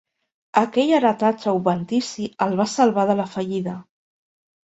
Aquell heretatge obventici el va salvar de la fallida.